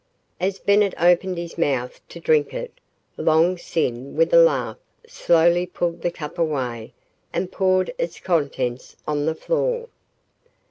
As Bennett opened his mouth to drink it, Long Sin with a laugh slowly pulled the cup away and poured its contents on the floor.